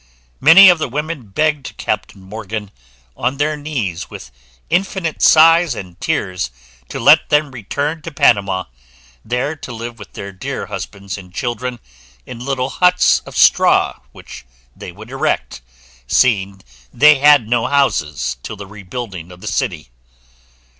Many of the women begged Captain Morgan, on their knees, with infinite sighs and tears, to let them return to Panama, there to live with their dear husbands and children in little huts of straw, which they would erect, seeing they had no houses till the rebuilding of the city.